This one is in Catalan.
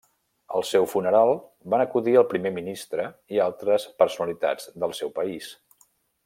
Al seu funeral van acudir el primer ministre i altres personalitats del seu país.